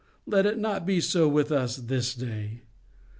Let it not be so with us this day.